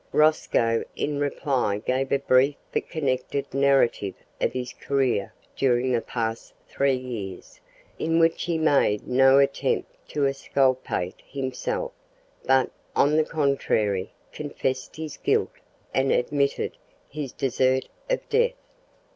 Rosco in reply gave a brief but connected narrative of his career during the past three years, in which he made no attempt to exculpate himself, but, on the contrary, confessed his guilt and admitted his desert of death.